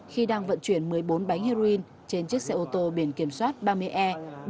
khi đang vận chuyển một mươi bốn bánh heroin trên chiếc xe ô tô biển kiểm soát ba mươi e bảy mươi ba nghìn sáu trăm linh năm